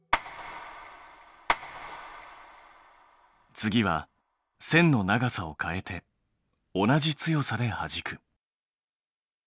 次は線の長さを変えて同じ強さではじく。